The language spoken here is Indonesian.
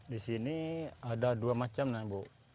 di sini ada dua macam bu